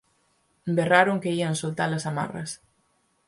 berraron que ían soltar as amarras.